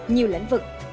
nhiều lãnh vực